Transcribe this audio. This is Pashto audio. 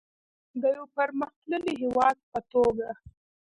د یو پرمختللي هیواد په توګه.